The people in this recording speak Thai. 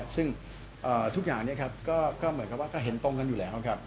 ซึ่งทุกอย่างเนี่ยครับก็เห็นตรงกันอยู่แล้วครับ